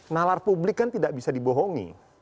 nalar publik kan tidak bisa dibohongi